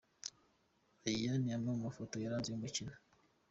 Aya ni amwe mu mafoto yaranze uyu mukino.